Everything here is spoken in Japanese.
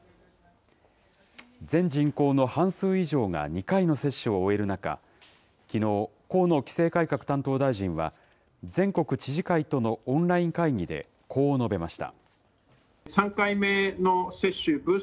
全人口の半数以上が２回の接種を終える中、きのう、河野規制改革担当大臣は、全国知事会とのオンライン会議でこう述べました。